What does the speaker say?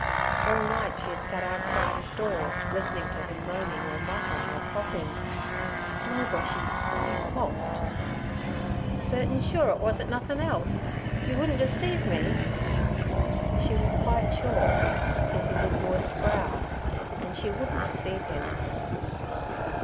All night she had sat outside his door listening to him moaning or muttering or coughing. 'No, Boshy. You coughed.' 'Certain sure it wuzn't nothin' else? Yer wouldn't deceive me?' She was quite sure, kissing his moist brow, and she wouldn't deceive him.